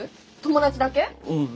うん。